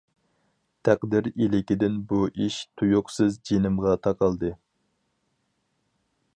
تەقدىر ئىلكىدىن بۇ ئىش تۇيۇقسىز جېنىمغا تاقالدى.